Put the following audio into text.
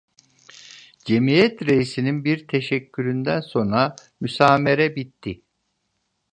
Cemiyet reisinin bir teşekküründen sonra müsamere bitti.